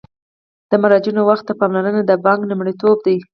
د مراجعینو وخت ته پاملرنه د بانک لومړیتوب دی.